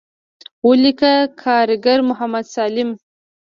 وليکه کارګر محمد سالم.